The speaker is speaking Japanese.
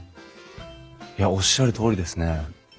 いやおっしゃるとおりですね。